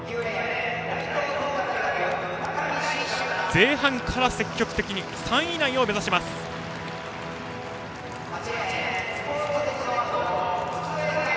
前半から積極的に３位以内を目指します中井脩太。